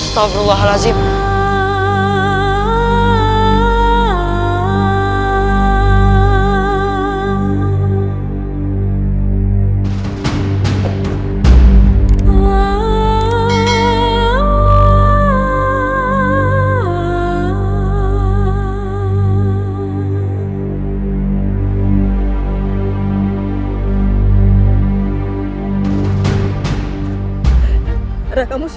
tuhan yang terbaik